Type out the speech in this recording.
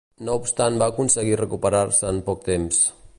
No obstant va aconseguir recuperar-se en poc temps.